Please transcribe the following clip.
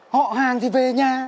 họ hàng thì về nhà